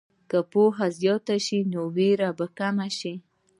که پوهه زیاته شي، نو ویره به کمه شي.